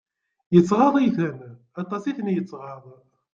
Yettɣaḍ-iten, aṭas i ten-yettɣaḍ.